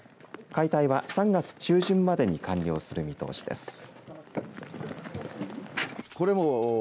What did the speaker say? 解体は、３月中旬までに完了する見通しです。